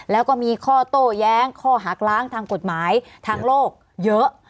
แล้วก็มีข้อโต้แย้งข้อหักล้างทางกฎหมายทางโลกเยอะ